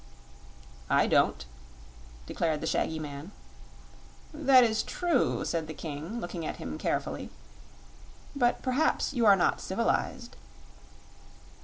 "I don't," declared the shaggy man. "That is true," said the King, looking at him carefully; "but perhaps you are not civilized."